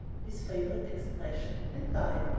(his favorite expression) and died.